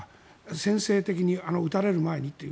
先制的に、撃たれる前にという。